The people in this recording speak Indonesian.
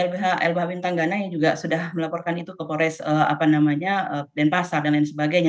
lbh lbh wintanggana yang juga sudah melaporkan itu ke polres denpasar dan lain sebagainya